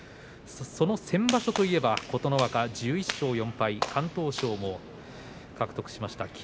その先場所といえば琴ノ若１１勝４敗、敢闘賞を獲得しました。